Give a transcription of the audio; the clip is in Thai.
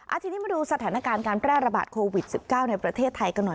ทีนี้มาดูสถานการณ์การแพร่ระบาดโควิด๑๙ในประเทศไทยกันหน่อย